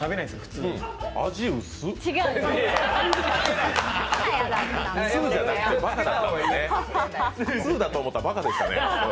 通だと思ったらばかでしたね。